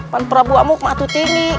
puan prabu amuk mengatukannya